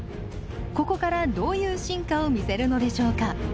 ここからどういう進化を見せるのでしょうか？